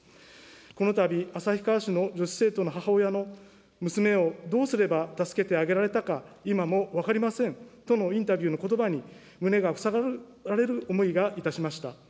このたび、旭川市の女子生徒の母親の、娘をどうすれば助けてあげられたか、今も分かりませんとのインタビューのことばに、胸が塞がれる思いがしました。